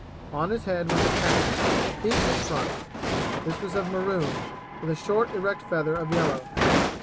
On his head was a cap, peaked in front; this was of maroon, with a short erect feather of yellow.